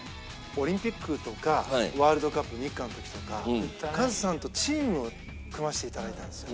オリンピックとかワールドカップ日韓の時とかカズさんとチームを組ませて頂いたんですよ。